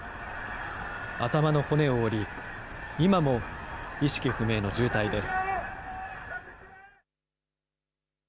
頭の骨を折り、今も意識不明の重体です。